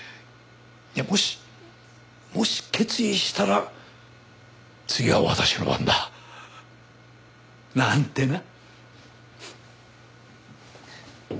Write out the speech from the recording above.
もしもし決意したら次は私の番だ。なんてな。